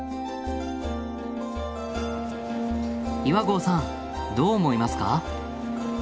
岩合さんどう思いますか？